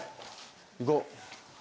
行こう。